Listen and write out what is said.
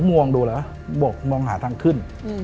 มองดูแล้วบกมองหาทางขึ้น